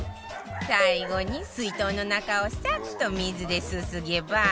最後に水筒の中をサッと水ですすげば